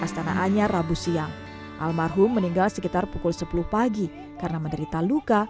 astana anyar rabu siang almarhum meninggal sekitar pukul sepuluh pagi karena menderita luka